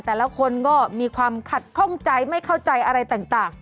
แต่ละคนก็มีความขัดข้องใจไม่เข้าใจอะไรต่าง